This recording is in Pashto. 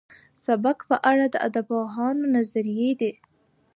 سبک په اړه د ادبپوهانو نظريې دي.